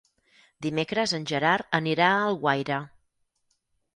Dimecres en Gerard anirà a Alguaire.